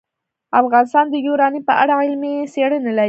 افغانستان د یورانیم په اړه علمي څېړنې لري.